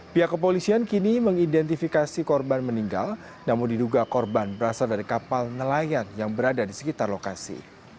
pihak kepolisian kini mengidentifikasi korban meninggal namun diduga korban berasal dari kapal nelayan yang berada di sekitar lokasi